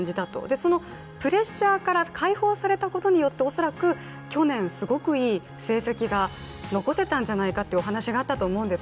そのプレッシャーから解放されたことによって恐らく、去年、すごくいい成績が残せたんじゃないかというお話があったと思うんです。